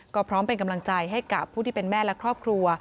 ก็พร้อมเป็นกำลังใจให้กับผู้ที่เป็นแม่และครอบครัว